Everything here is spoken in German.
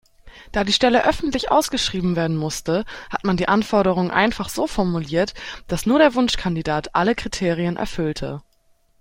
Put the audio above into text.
Da die Stelle öffentlich ausgeschrieben werden musste, hat man die Anforderungen einfach so formuliert, dass nur der Wunschkandidat alle Kriterien erfüllte.